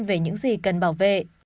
về những gì cần bảo vệ